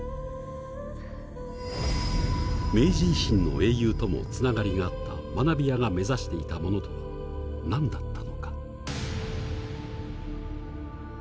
明治維新の英雄ともつながりがあった学びやが目指していたものとは何だったのか。